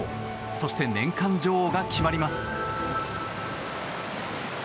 そして、年間女王が決まります。